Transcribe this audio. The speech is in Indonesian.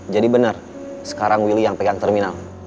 jadi benar sekarang willy yang pegang terminal